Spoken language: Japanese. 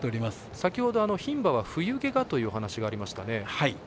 先ほど、牝馬は冬毛がという話がありましたね。